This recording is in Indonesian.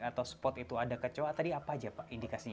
atau spot itu ada kecewa tadi apa aja pak indikasinya